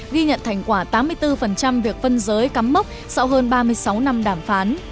ghi nhận thành quả tám mươi bốn việc phân giới cắm mốc sau hơn ba mươi sáu năm đàm phán